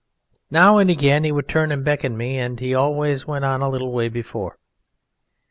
Now and again he would turn and beckon me, and he always went on a little way before.